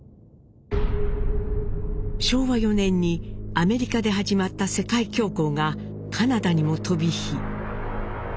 昭和４年にアメリカで始まった世界恐慌がカナダにも飛び火。